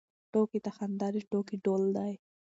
ټوکې ته خندا د ټوکې ډول دی.